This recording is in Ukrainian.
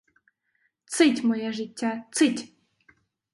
Цить, моє життя, цить!